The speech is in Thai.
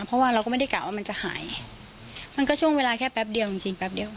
เพราะว่าเราก็ไม่ได้กลับว่ามันจะหายมันก็ช่วงเวลาแค่แป๊บเดียวจริง